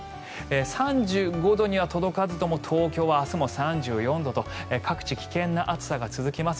３５度には届かずとも明日は東京も３４度と各地危険な暑さが続きます。